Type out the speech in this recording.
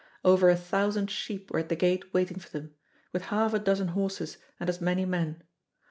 Over a thousand sheep were at the gate waiting for them, with half a dozen horses and as many men.